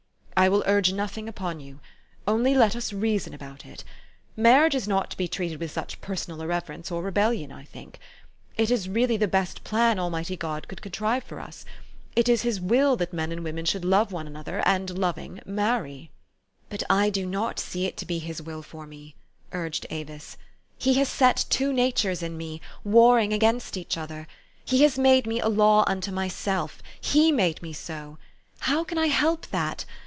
"I will urge nothing upon }'ou. Onl} r let us reason about it. Marriage is not to be treated with such personal irreverence or rebellion, I think. It is really the best plan Almighty God could contrive for us. It is his will that men and women should love one another, and, loving, marry." THE STORY OF AVIS. 195 u But I do not see it to be his will for me," urged Avis. "He has set two natures in me, warring against each other. He has made me a law unto myself He made me so. How can I help that?